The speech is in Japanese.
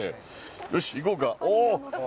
よし、行こうか。